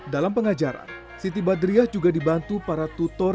dalam pengajaran siti badriah juga dibantu para tutor